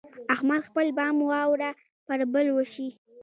احمد خپل بام واوره پر بل وشي.